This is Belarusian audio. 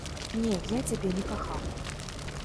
Не, я цябе не кахаў.